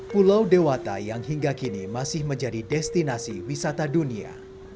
pulau dewata yang hingga kini masih menjadi destinasi wisata dunia